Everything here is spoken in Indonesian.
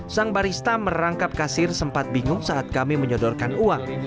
sang barista merangkap kasir sempat bingung saat kami menyodorkan uang